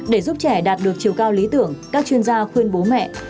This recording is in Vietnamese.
để giúp trẻ đạt được chiều cao lý tưởng các chuyên gia khuyên bố mẹ